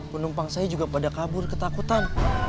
penumpang saya juga pada kabur ketakutan